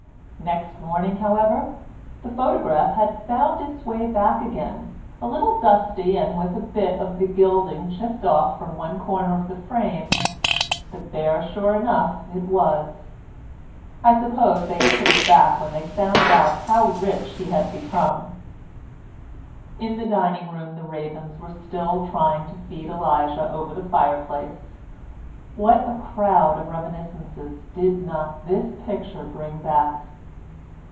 Next morning, however, the photograph had found its way back again, a little dusty and with a bit of the gilding chipped off from one corner of the frame, but there sure enough it was. I suppose they put it back when they found how rich he had become. In the dining room the ravens were still trying to feed Elijah over the fireplace; what a crowd of reminiscences did not this picture bring back!